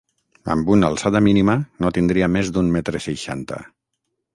Amb una alçada mínima, no tindria més d'un metre seixanta.